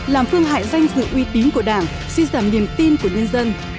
làm phương hại danh dự uy tín của đảng suy giảm niềm tin của nhân dân